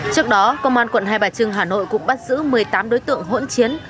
trước đó công an quận hai bà trưng hà nội cũng bắt giữ một mươi tám đối tượng hỗn chiến